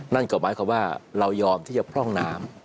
นั่นก็หมายความว่าเรายอมที่จะพร่องน้ำ